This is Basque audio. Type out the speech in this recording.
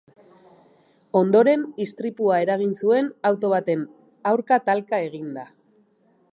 Ondoren, istripua eragin zuen, auto baten aurka talka eginda.